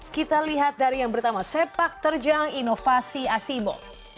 kita lihat dari yang pertama sepak terjang inovasi asimo